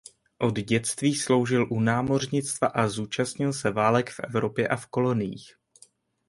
Od dětství sloužil u námořnictva a zúčastnil se válek v Evropě a v koloniích.